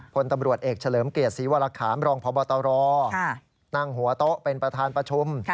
พลตำรวจเอกเฉลิมเกียรติศรีวรคามรองพบตรนั่งหัวโต๊ะเป็นประธานประชุม